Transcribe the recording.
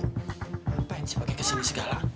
ngapain sih pakai kesini segala